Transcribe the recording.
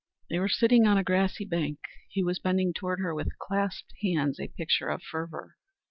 They were sitting on a grassy bank. He was bending toward her with clasped hands, a picture of fervor.